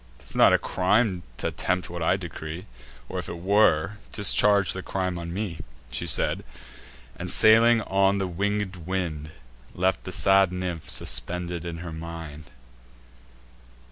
'Tis not a crime t' attempt what I decree; Or, if it were, discharge the crime on me." She said, and, sailing on the winged wind, Left the sad nymph suspended in her mind.